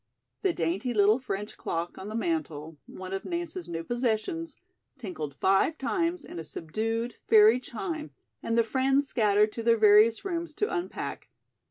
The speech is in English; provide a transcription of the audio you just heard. '" The dainty little French clock on the mantel, one of Nance's new possessions, tinkled five times in a subdued, fairy chime and the friends scattered to their various rooms to unpack.